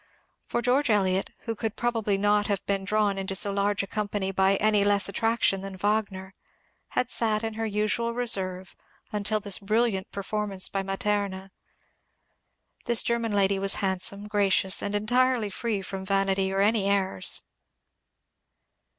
For George Eliot, who could probably not have been drawn into so large a company by any less attraction than Wagner, had sat in her usual reserve until this brilliant performance by Matema. This German lady was handsome, gracious, and entirely free from vanity or any airs.